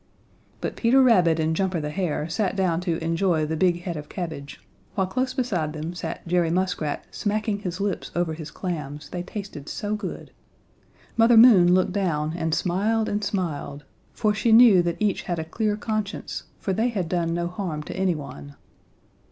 But Peter Rabbit and Jumper the Hare sat down to enjoy the big head of cabbage, while close beside them sat Jerry Muskrat smacking his lips over his clams, they tasted so good. Mother Moon looked down and smiled and smiled, for she knew that each had a clear conscience, for they had done no harm to anyone.